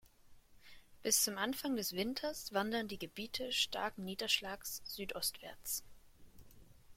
Bis zum Anfang des Winters wandern die Gebiete starken Niederschlags südostwärts.